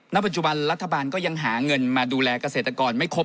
ปัจจุบันรัฐบาลก็ยังหาเงินมาดูแลเกษตรกรไม่ครบ